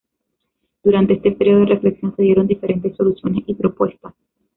Durante este "período de reflexión", se dieron diferentes soluciones y propuestas.